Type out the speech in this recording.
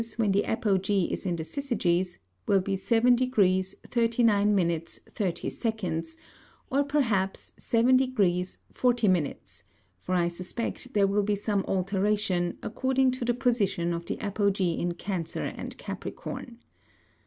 _ when the Apogee is in the Syzygys, will be 7 degrees, 39 minutes, 30 seconds, or perhaps 7 degrees, 40 minutes, (for I suspect there will be some Alteration, according to the Position of the Apogee in Cancer and Capricorn.)